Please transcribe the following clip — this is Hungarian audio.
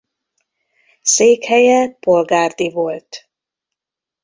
Székhelye Polgárdi volt.